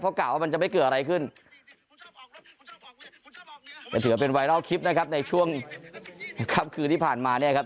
เขากะว่ามันจะไม่เกินอะไรขึ้นใต้ถือเป็นไวรัลคลิปนะครับในช่วงที่ผ่านมาเนี่ย